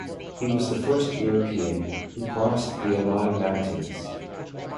He was the first European who crossed the Alai Mountains.